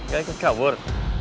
ya ikut cabut